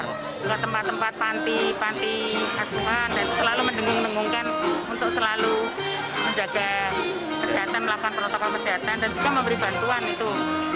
juga tempat tempat panti panti asuhan dan selalu mendengung dengungkan untuk selalu menjaga kesehatan melakukan protokol kesehatan dan juga memberi bantuan itu